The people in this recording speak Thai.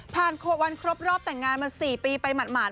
พาหวันครบรอบแต่งงานไป๔ปีไปหมดหมาตร